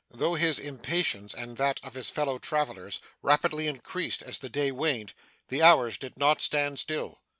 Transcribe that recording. Though his impatience, and that of his fellow travellers, rapidly increased as the day waned, the hours did not stand still.